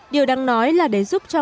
điều đáng nói là để giúp cho